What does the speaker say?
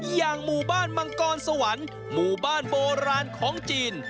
อย่างหมู่บ้านมังกรสวรรค์หมู่บ้านโบราณของจีน